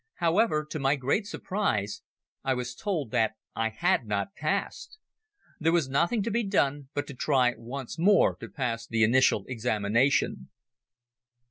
However, to my great surprise I was told that I had not passed. There was nothing to be done but to try once more to pass the initial examination.